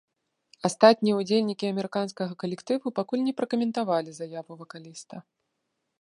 Астатнія ўдзельнікі амерыканскага калектыву пакуль не пракаментавалі заяву вакаліста.